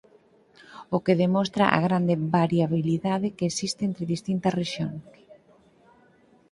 O que demostra a gran variabilidade que existe entre distintas rexións.